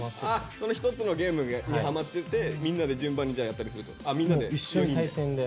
その一つのゲームにハマっててみんなで順番にやったりするとみんなで４人で。